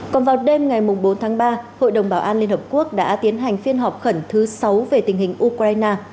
còn vào đêm ngày bốn tháng ba hội đồng bảo an liên hợp quốc đã tiến hành phiên họp khẩn thứ sáu về tình hình ukraine